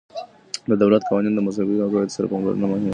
د دولت قوانینو ته د مذهبي عقایدو سره پاملرنه مهمه ده.